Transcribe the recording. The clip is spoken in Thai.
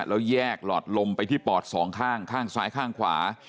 แล้วแยกหลอดลมไปที่ปอดสองข้างข้างซ้ายข้างขวา